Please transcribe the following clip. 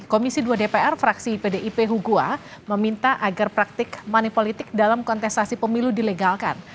komisi dua dpr fraksi pdip hugua meminta agar praktik money politik dalam kontestasi pemilu dilegalkan